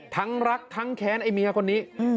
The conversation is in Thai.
ทั้งรักทั้งแค้นไอ้เมียคนนี้